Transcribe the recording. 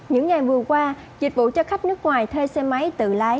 những ngày vừa qua dịch vụ cho khách nước ngoài thuê xe máy tự lái